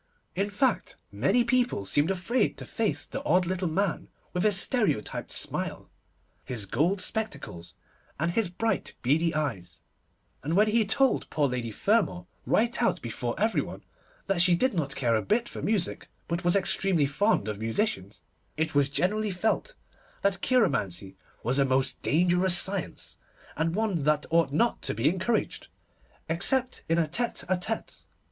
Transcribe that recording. In fact, many people seemed afraid to face the odd little man with his stereotyped smile, his gold spectacles, and his bright, beady eyes; and when he told poor Lady Fermor, right out before every one, that she did not care a bit for music, but was extremely fond of musicians, it was generally felt that cheiromancy was a most dangerous science, and one that ought not to be encouraged, except in a tête à tête.